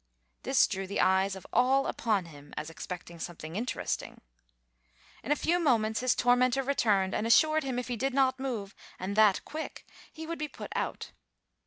This drew the eyes of all upon him, as expecting something interesting. In a few moments his tormentor returned, and assured him, if he did not move, and that quick, he would be put out.